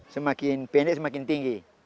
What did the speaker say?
semakin pendek semakin tinggi